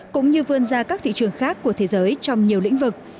cũng như vươn ra các thị trường khác của thế giới trong nhiều lĩnh vực